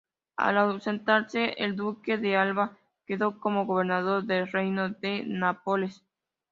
Al ausentarse el duque de Alba, quedó como gobernador del Reino de Nápoles.